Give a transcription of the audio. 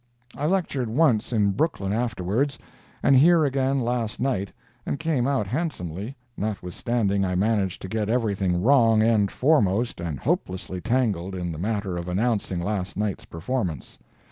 I lectured once in Brooklyn afterwards, and here again last night, and came out handsomely, notwithstanding I managed to get everything wrong end foremost and hopelessly tangled in the matter of announcing last night's performance.